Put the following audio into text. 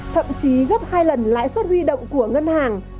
thậm chí gấp hai lần lãi suất huy động của ngân hàng